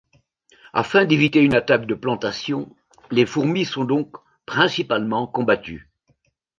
Afin d'éviter une attaque de plantations, les fourmis sont donc principalement combattues.